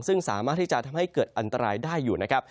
ซึ่งสามารถที่จะทำให้เกิดอันตรายได้อยู่นะครับ